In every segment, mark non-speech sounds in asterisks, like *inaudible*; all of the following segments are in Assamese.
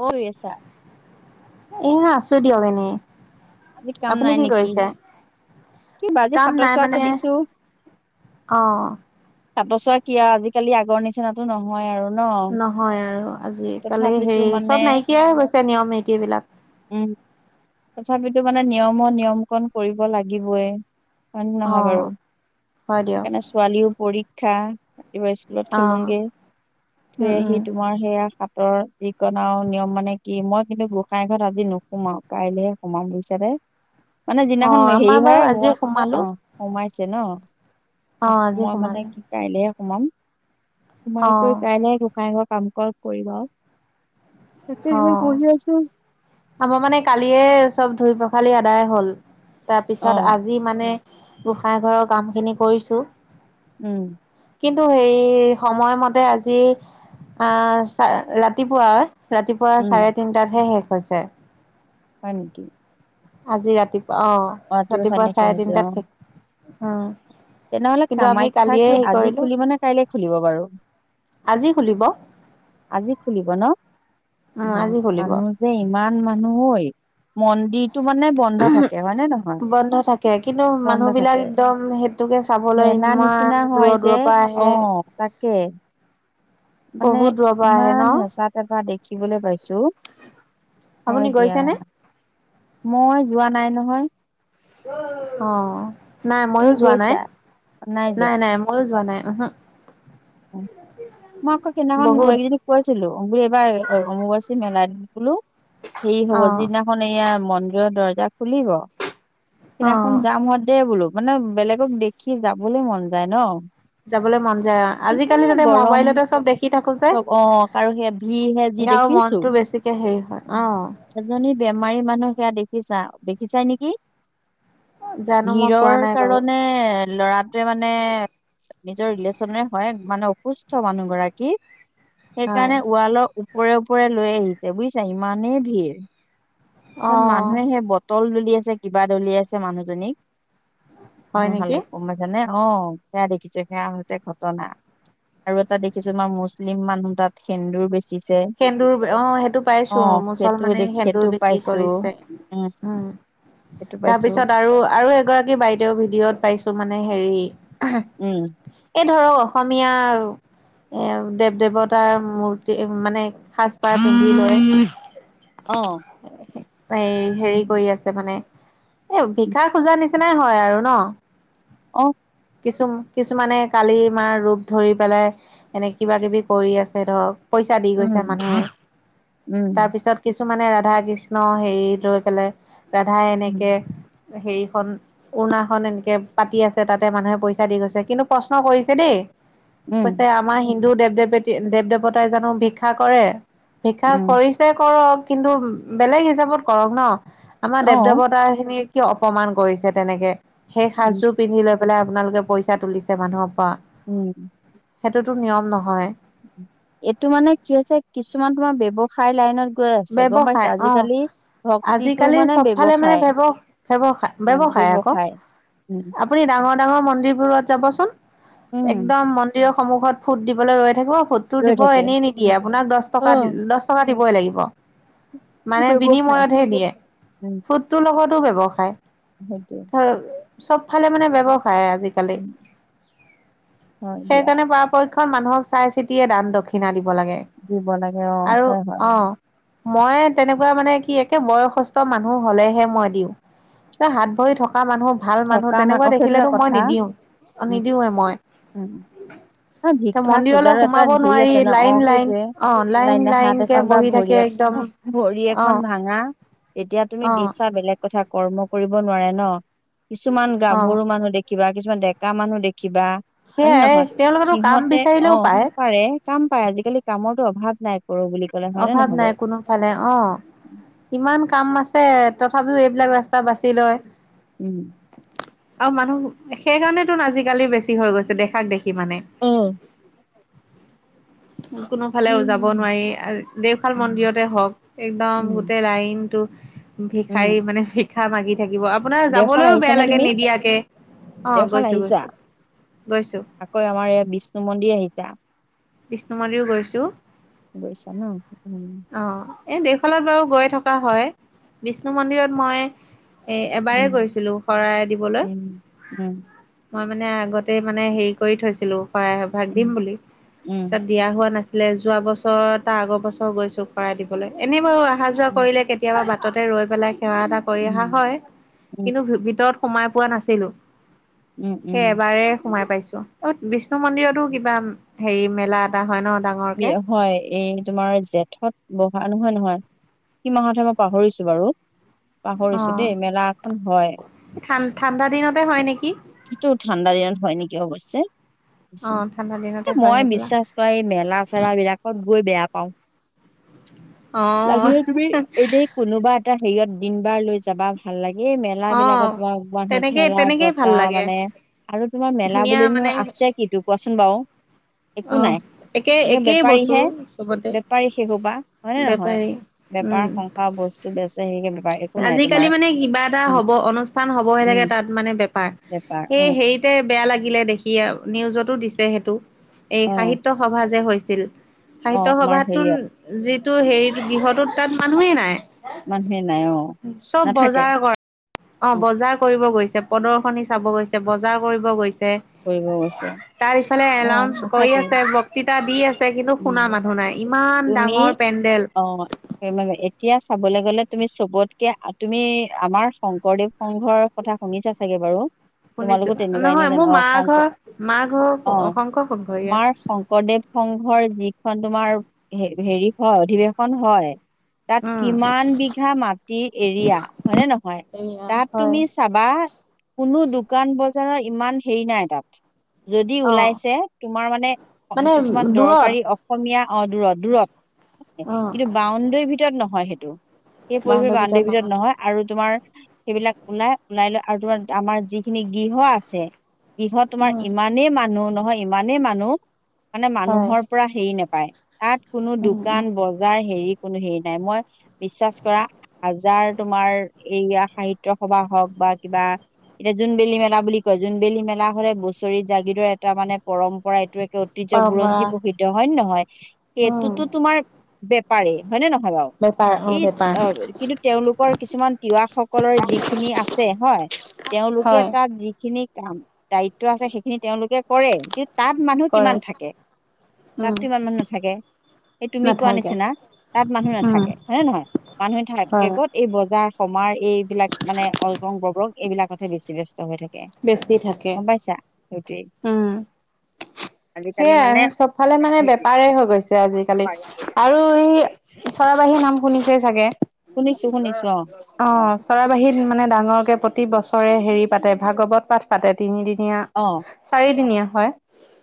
অ' এহ আছো দিয়ক এনেই আজি কাম আপুনি নাই কি নেকি কৰিছে কি বা আজি কাম সাতৰ নাই চোৱা মানে, খেলিছো অ'। তাতচোৱা কিয় আজিকালি আগৰ নিচিনাতো নহয় আৰু। ন নহয় আৰু, আজি কালি তথাপিতো হেৰি মানে চব নাইকিয়াই হৈ গৈছে নিয়ম নীতিবিলাক। তথাপিতো মানে নিয়ম নিয়ম কণ কৰিব লাগিবই। হয় অ নহয় বাৰু, হয় দিয়ক সেইকাৰণে ছোৱালীও পৰীক্ষা। কেতিয়াবা *unintelligible* স্কুলত অ থলোংগে, থৈ উম উম আহি তোমাৰ সেয়া পাতৰ যিকনা আৰু নিয়ম মানে কি, মই কিন্তু গোঁসাই ঘৰত আজি নুসুমাও। কাইলেহে সোমাম বুলিছানে। মানে অ যিদিনাখন আমাৰ হেৰি বাৰু হয় ব আজিয়ে সোমালো অ', সোমাইছ ন' অ আজি মই মানে সোমালে কি কাইলেহে সমাম অ সোমাই কৰি কাইলৈ, গোঁসাইঘৰ কাম ক *unintelligible* কৰিম আৰু অ তেতিয় *unintelligible* পঢ়ি আছো আমাৰ মানে কালিয়ে চব ধুই পখালি আদায় হ'ল, তাৰপিছত অ', আজি মানে গোঁসাই ঘৰৰ কামখিনি কৰিছোঁ। উম। কিন্তু সেই সময়মতে আজি ৰাতিপুৱা ৰাতিপুৱা উম, চাৰে তিনটাতহে শেষ হৈছে। হয় নেকি। আজি ৰাতিপুৱা অ', ৰাতিপুৱা চাৰে তিনটাত উ'। তেনেহ'লে কামাখ্যা কি আজি কৰিলো খুলিবনে কাইলে খুলিব বাৰু? আজি খুলিব আজি খুলিব ন'? উম, আজি খুলিব। মানুহ যে ইমান মানুহ ঐ মন্দিৰ টো মানে বন্ধ থাকে হয় নে নহয়। বন্ধ থাকে কিন্তু বন্ধ মানুহ বিলাক থাকে। একদম সেইটোকে চাবলৈ মেলা ইমান নিচিনা হয় দূৰৰ যে দূৰৰ পৰা আহে আহ তাকে মানে বহুত দূৰৰ পৰা আহে ন? ইমান হেঁচা তেঁচা দে খিবলে পাইছো আপুনি হয় দিয়া। গৈছেনে? মই যোৱা নাই নহয়। অ নাই তুমি ময়ো যোৱা গৈছা? নাই নাই নাই ময়ো যোৱা নাই। উহো। মই আকৌ সেইদিনাখন বহুত বোৱাৰীকেইজনীক কৈছিলো বুলি এইবাৰ অমুবাচী মেলাত বোলো হেৰি হব অ', যিদিনাখন এয়া মন্দিৰৰ দৰ্জা খুলিব সেইদিনাখন অ'। যাম হ দেই বোলো মানে বেলেগক দেখি যাবলৈ মন যায় ন। যাবলৈ মন যায় অ কিনে আজিকালি তাতে গৰম মবাইলতে চব দেখি থা অ আৰু সেয়া ভিৰ হে যে যি আৰু দেখিছো। মনটো বেছিকে হেৰি হয় অ এজনী বেমাৰী মানুহ সেয়া দেখিছা দেখিছাই নেকি। জানো মই পোৱা ভিৰৰ নাই বাৰু কাৰণে লৰাটোৱে মানে নিজৰ ৰিলেশনেৰে হয় মানে অসুস্থ মানুহ গৰাকী হয় সেইকাৰণে ৱালৰ ওপৰে ওপৰে লৈ আহিছে বুজিছা ইমানেই ভিৰ অ মানুহে সেই বটল দল লিয়াচে কিবা দলিয়াইচে মানুহজনী হয় নেকি *unintelligible* গম পাইছা নে। অ' সেয়া দেখিছে সেয়া হৈছে ঘটনা। আৰু এটা দেখিছো আমাৰ মুছলিম মানুহ তাত সেন্দুৰ বেছি সেন্দুৰ অ সেইটো পাইছো সেইটো মুছলমানে দেখি সেন্দুৰ সেইটো বিক্ৰী ক পাইছো কৰিছে উম সেইটো পাইছো তাৰপিছত আৰু আৰু এগৰাকী বাইদেও ভিডিঅত পাই ছো মানে হেৰি উম। এই ধৰক অসমীয়া এ দেৱ দেৱতাৰ মূৰ্তি মানে সাজপাৰ পন্ধি লয় অ এই হেৰি কৰি আছে মানে এ ভিকা খোজা নিচিনাই হয় আৰু ন? অ'। কিছু কিছুমানে কালি মাৰ ৰূপ ধৰি পেলাই এনেক কিবা কিবি কৰি আছে ধৰক। পইচা দি গৈছে উম মানুহে তাৰ উম পিছত কিছু মানে ৰাধা কৃষ্ণ হেৰি লৈ পেলে ৰাধাই উম এনেকে হেৰিখন উৰ্নাখন এনেকে পাতি আছে তাতে মানুহে পইচা দি গৈছে কিন্তু প্ৰশ্ন কৰিছে দেই উম কৈছে আমাৰ হিন্দু দেৱ দেৱতী দেৱ দেৱতাই জানো ভিক্ষা কৰে? ভিক্ষা উম কৰিছে কৰক কিন্তু বেলেগ হিচাপত কৰক ন। আমাৰ অ দেৱ দেৱতা খিনিক কিয় অপমান কৰিছে তেনেকে সেই উম সাজটোৰ পিন্ধি লৈ পেলাই আপোনালোকে পইচা তুলিছে মানুহৰ পৰা। উম। সেইটোতো নিয়ম নহয়। এইটো মানে কি হৈছে কিছুমান তোমাৰ ব্যৱসায় লাইনত গৈ আছে গম ব্যৱসায় পাইছে অ আজিকালি ভক্তিটো আজিকালি মানে চবফালে মানে ব্যৱসায় ব্যৱ ব্যৱসায় অ'। আকৌ ব্যৱসায়। উম আপুনি ডাঙৰ ডাঙৰ মন্দিৰ বোৰত যাবচোন উম, একদম মন্দিৰৰ সন্মুখত ফুট দিবলৈ ৰৈ থাকিব ফুট তো ৰৈ দিব থাকে। এনেই নিদিয়ে আপোনাক দছ অ, টকা দছ টকা দিবই লাগিব। এইটো মানে ব্যৱসায় বিনিময়তহে দিয়ে ফুটটোৰ লগতো ব্যৱসায়। সেইটোৱেই। চবফালে মানে ব্যৱসায় আজিকালি উম, হয় দিয়া সেইকাৰণে পৰাপক্ষত মানুহ হক চাই চিতিয়ে দান দক্ষিণা দিব লাগে দিব লাগে অ', আৰু হয়, হয় অ' মই তেনেকুৱা মানে কি একে বয়সস্থ মানুহ হলেহে মই দিওঁ। যে হাত ভৰি থকা কা মানুহ ভাল মানুহ থকা মান তেনেকুৱা অ', সেইটো এটা দেখিলেতো মই কথা নিদিওঁ- উম, নিদিওঁৱে মই। উম, অ', ভিক্ষা মন্দিৰলৈ খোজাৰো এটা সোমাব হেৰি নোৱাৰি। আছে ন অ', লাইন- লাইন সেইটোৱে অ, লাইন লাইনে -লাইন হাত কে এখন বা বহি ভৰি থাকে। এ একদম ভৰি অ এখন ভাঙা যেতিয়া তুমি অ দিছা, বেলেগ কথা কৰ্ম কৰিব নোৱাৰে ন। কিছুমান অ গাভৰু মানুহ দেখিবা, কিছুমান ডেকা মানুহ দেখিবা। হয় নে সেয়াই নহয়? তেওঁলোকেতো কাম সিহঁতে অ, বিচাৰিলেও পায় পাৰে কাম পায় আজিকালি কামৰতো অভাৱ নাই। কৰো বুলি ক'লে হয়নে অভাৱ নহয় বাৰু? নাই। কোনোফালে অ, ইমান কাম আছে। তথাপিও এইবিলাক ৰাস্তা বাছি লয়। উম। আৰু মানুহ সেইকাৰণেতো আজিকালি বেছি হৈ গৈছে, দেখাক দেখি মানে। *inaudible* উম। কোনোফালে যাব নোৱাৰি। দেওশাল উম, মন্দিৰতে হওক একদম উম, গোটেই লাইনটো, উম, ভিক্ষাৰী মানে ভিক্ষা মাগি থাকিব। আপোনাৰ দেওশাল যাবলৈও আহিছা বেয়া নে লাগে তুমি? নিদিয়াকে। অ, দেওশাল গৈছো- আহিছা? গৈছো। গৈছো আকৌ আমাৰ ই বিষ্ণু মন্দিৰ আহিছা। বিষ্ণু মন্দিৰও গৈছো। গৈছা ন? উম, অহ। এই দেওশালত বাৰু গৈ থকা হয়। বিষ্ণু মন্দিৰত মই, এ এবাৰেই উম, গৈছিলো শৰাই দিবলৈ। উম, উম, মই মানে আগতে মানে হেৰি কৰি থৈছিলো। শৰাই এভাগ উম, দিম বুলি উম, পিছত দিয়া হোৱা নাছিল। যোৱা বছৰ তাৰ আগৰ বছৰ গৈছো। শৰাই দিবলে এনে বাৰু অহা যোৱা উম, কৰিলে কেতিয়াবা। বাটতে ৰৈ পেলাই সেৱা এটা কৰি অহা হয়। উম, কিন্তু ভিতৰত সোমাই পোৱা নাছিলো। উম, সেই উম, এবাৰে সোমাই পাইছো। অ, বিষ্ণু মন্দিৰতো উম, কিবা হেৰি, মেলা এটা হয় ন। ডাঙৰকে হয় এই তোমাৰ জেঠত বহা নহয় নহয় - কি মাহত হয় মই পাহৰিছো বাৰু। অ পাহৰিছো দেই মেলা এখন হয়। ঠান ঠাণ্ডা দিনতে হয় নেকি কিন্তু ঠাণ্ডা দিনত হয় নিকি। অৱশ্যে, অ ঠাণ্ডা দিনতে হয় মই হবলা বিশ্বাস কৰা, এই মেলা চেলা গৈ বেয়া পাও। অ লাগিলে, তুমি এনেই কোনোবা এটা হেৰিয়ত দিন বাৰ লৈ যাবা ভাল লাগে। এই মেলা অ বিলাকত তোমাৰ মানুহৰ তেনেকেই ঠেলা, তেনেকেই ভাল গতা লাগে মানে আৰু তোমাৰ মেলা ধুনীয়া বুলিনো আছে কিটো, কোৱাচোন বাৰু। একো আহ, নাই একে সেই একেই বস্তু। বেপাৰীহে চবতে বেপাৰী সেষোপা হয় নে নহয়। বেপাৰী উম বেপাৰ সংসাৰ বস্তু বেচে সে বেপাৰী। আজিকালি মানে কিবা এটা হ'ব অনুষ্ঠান হ'বহে থাকে উম তাত মানে বেপাৰ। বেপাৰ এই অ হেৰিতে বেয়া লাগিলে দেখি আৰু। নিউজতো দিছে সেইটো এই অ সাহিত্য সভা যে হৈছিল অ সাহিত্য আমাৰ সভাতো হেৰিয়াত যিটো হেৰি গৃহটোত তাত মানুহেই নাই মানুহে নাই, অ'। চব নাথাকে বজাৰ কৰে, অ', বজাৰ কৰি গৈছে প্ৰদৰ্শনী চাব গৈছে, বজাৰ কৰিব গৈছে। কৰিব গৈছে। তাত ইফালে অ এলাউনৰ্চ কৰি নাথাকেই আছে, বক্তৃতা দি আছে কিন্তু শুনা উম মানুহ নাই ইমান তুমি ডাঙৰ পেণ্ট অ', মে এতিয়া চাবলৈ গ'লে তুমি চবতকে তুমি আমাৰ শংকৰদেৱ সংঘৰ কথা শুনিছা চাগে বাৰু। শুনিছো তোমালোকো তেনেকুৱাই, এ ন নহয় জানো মোৰ মা অ'। ঘৰ শংকৰ মা ঘৰ অ', শংকৰ সংঘৰীয়া তোমাৰ শংকৰদেৱ সংঘৰ যিখন তোমাৰ হেৰি হয় অধিৱেশন হয়। তাত উম কিমান বিঘা মাটিৰ এৰিয়া হয়নে নহয়। এয়া তাত হয় তুমি চাবা কোনো দোকান বজাৰৰ ইমান হেৰি নাই তাত। যদি অ ওলাইছে তোমাৰ মানে মানে কিছুমান দূৰত দৰকাৰী অসমীয়া অ', দূৰত দূৰত। অ কিন্তু বাউণ্ডৰীৰ ভিতৰত নহয় সেইটো। সেই পৰি বাউন্দৰি ভিতৰত নহয় আৰু তোমাৰ সেইবিলাক ওলাই ওলাই লৈ আৰু তোমাৰ আমাৰ যিখিনি গৃহ আছে গৃহত তোমাৰ উম ইমানেই মানুহ নহয়, ইমানেই মানুহ মানে হয় মানুহৰ পৰা হেৰি নোপায়। তাত কোনো উম উম দোকান বজাৰ হেৰি কোনো হেৰি নাই, মই বিশ্বাস কৰা হাজাৰ তোমাৰ এইয়া সাহিত্য সভা হওঁক বা কিবা এতিয়া জোনবিল মেলা বুলি কয়, জোনবিল মেলা লে বছৰি জাগৃত এটা মানে পৰম্পৰা এইটো ঐতিহ্য পৰম্পৰা বুৰঞ্জী প্ৰসিদ্ধ হয় নে নহয়? উম সেইটোতো তোমাৰ বেপাৰেই হয়নে নহয় বাৰু? বেপাৰ অ এই বেপাৰ কিন্তু তেওঁলোক কিছুমান তিৱা সকলৰ যিখিনি আছে হয়, তেওঁলোকে হয় তাত যিখিনি দায়িত্ব আছে সেইখিনি তেওঁলোকে কৰে কিন্তু তাত মানুহ কৰে কিমান থাকে? উম তাততো ইমান মানুহ নাথাকে। সেই তুমি কোৱা নাথাকে নিচিনা তাত মানুহ উম নাথাকে হয় নে নহয়? মানুহে থাকে হয় ক'ত এই বজাৰ সমাৰ এইবিলাক মানে অলৰং ববৰং এইবিলাকতহে বেছি ব্যস্ত হৈ থাকে। বেছি থা গম পাইছা সেইটোৱে। সেয়াই চবফালে মানে বেপাৰ হৈ গৈছে আজিকালি বেপাৰী হৈ আৰু গৈছে ই চৰা নাম শুনিছে চাগে? শুনিছো শুনিছো অ', চৰাবাহী মানে ডাঙৰক প্ৰতি বছৰে হেৰি পাতে ভাগৱত পাঠ পাতে তিনিদিনীয়া অ চাৰিদিনীয়া হয়।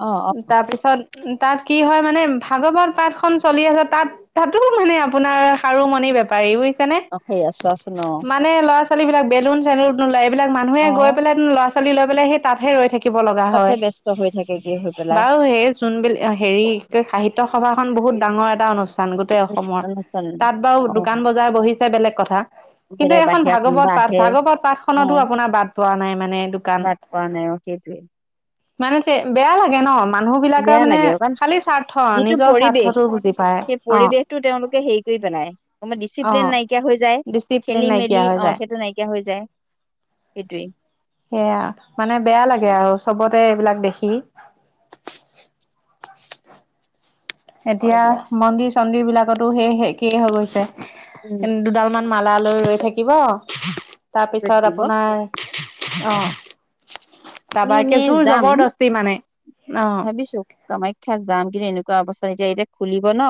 অ অ অ তাৰ পিছত তাত কি হয় মানে ভাগৱত পাঠ খন চলি আছে তাত তাতো মানে আপোনাৰ সাৰু মণি বেপাৰী বুজিছ নে? অ সেই আছোৱাচোন অ মানে ল'ৰা ছোৱাল ছোৱালীবিলাক বেলন-চেলুন এইবিলাক মানুহে গৈ অ', পেলাই ল'ৰা-ছোৱালী লৈ পিনে সেই তাঁতহে ৰৈ থাকে। তাতহে ব ব্যস্ত হৈ থাকেগে। হৈ পেলাই। বাৰু এই চোনব হেৰি সাহিত্য সভা খন বহুত ডাঙৰ এটা অনুষ্ঠ চান গোটেই অসমৰ অনুষ্ঠান তাত বাৰু অ', দোকান-বজাৰ বহিছে বেলেগ কথা। কিন্তু বেলেগ এখন বাহিৰা কোনোবা ভাগৱত পাঠ, আহে ভাগৱত অ', পাঠখনতো আপোনাৰ বাট পোৱা নাই মানে দোকান বাট পোৱা *inaudible* মানে বেয়া লাগে ন'? মানুহ বিলাকে বেয়া মানে লাগে কাৰণ খালী স্বাৰ্থ যিটো নিজৰ পৰিৱেশ স্বাৰ্থতটো বুজি পায় সেই অ। পৰিৱেশটো তেওঁলোকে হেৰি কৰি পেলাই কব অ ডিচিপ্লিন নাইকিয়া হৈ যায়, ডিচিপ্লিন নাইকিয়া খেলি-মেলি হৈ অ যায় সেইটো নাইকিয়া হৈ যায়। সেইটোৱেই। সেয়া মানে বেয়া লাগে আৰু চবতে এইবিলাক দেখি। হয় এতিয়া দিয়া। মন্দিৰ-চন্দিৰ বিলাকতো সেই একে হৈ উম, গৈছে দুডাল মান মালা লৈ ৰৈ থাকিব গৈ তাৰপিছত থাকিব আপোনাৰ অ আমি কাৰোবাকে এনেই জোৰ যাম, জবৰদস্তি মানে অ ভাবিছোঁ কামাখ্যাত যাম কিন্তু এনেকুৱা অৱস্থা এতিয়া এতিয়া খুলিব ন,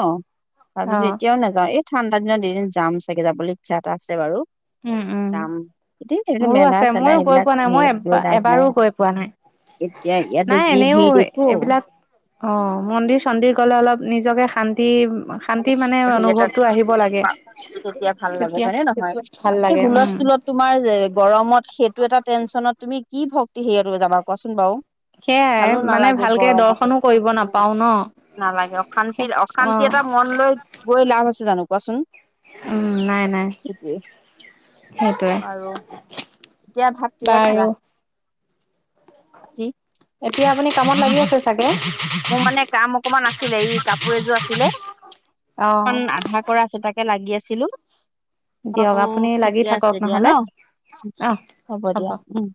তাৰ অ পিছত এতিয়াও নাযাওঁ এই ঠাণ্ডা দিনত যাম চাগে, যাবলৈ ইচ্ছা এটা আছে বাৰু উম উম যাম। এতি ধৰি মোৰো আছে মেলা-চেলা ময়ো গৈ এইবিলাক পোৱা নাই মই হেৰি এব গৈ লাভ নাই। এবাৰো গৈ পোৱা নাই এতিয়া ইয়াতে নাই যি এনেও ভিৰ দেখোঁ। এইবিলাক অ মন্দিৰ-চন্দিৰ গ'লে অলপ নিজকে শান্তি শান্তি মানে অনুভৱটো আহিব লাগে তেতিয়া ভাল লাগে তেতিয়া হয় নে নহয়? ভাল লাগে হুল উম স্কুলত তোমাৰ যে গৰমত সেইটো এটা টেনশচনত তুমি কি কি হেৰি যাবা কোৱাচোন বাৰু? সেয়াই ভালো মানে নালাগে, ভালকে গৰম হৈ দৰ্শনো কৰিব নাপাও ন নালাগে সেই অশান্তিৰ অ অশান্তিত এটা মন লৈ গৈ লাভ আছে জানোঁ কোৱাচোন? উম নাই নাই সেইটোৱে সেইটোৱে। বাৰু এতিয়া ভাত কিহে খালা বাৰু ৰাতি? এতিয়া আপুনি কামত লাগি আছে চাগে? মোৰ মানে কাম অকমান আছিলে, ই কাপোৰ এযোৰ আছিলে। খন অ আধা কৰা আছে তাকে লাগি আছিলোঁ। দিয়ক আপুনি লাগি অ'ঠিকে থাকক আছে দিয়া নহ'লে ন অ হ'ব দিয়া উম।